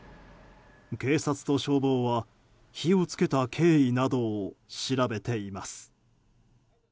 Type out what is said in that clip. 警察と消防は火を付けた経緯などを調べています。